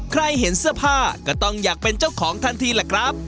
เห็นเสื้อผ้าก็ต้องอยากเป็นเจ้าของทันทีแหละครับ